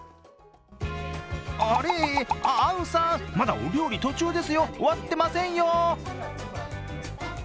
あれ、アウンさん、まだお料理、途中ですよ、終わってませんよ？